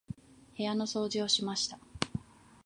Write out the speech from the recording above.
部屋の掃除をしました。